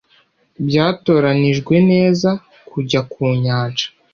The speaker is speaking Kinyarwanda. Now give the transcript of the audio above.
Byatoranijwe neza kujya ku nyanja